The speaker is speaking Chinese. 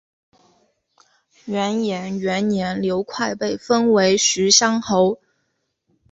元延元年刘快被封为徐乡侯。